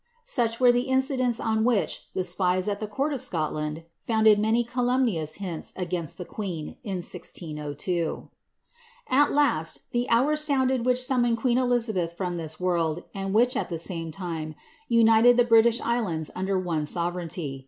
"* Sach were the incidents on which the spies at the court of Scotland foanded many calumnious hints against the queen, in 1602. ^ At last, the hour sounded which summoned queen Elizabeth from this world, and which, at the same time, united the British islands under one sovereignty.